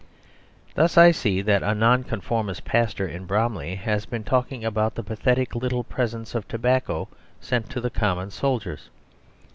Thus I see that a Nonconformist pastor in Bromley has been talking about the pathetic little presents of tobacco sent to the common soldiers.